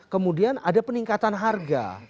kemudian ada peningkatan harga